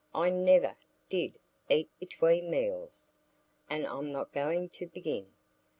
I never did eat between meals, and I'm not going to begin.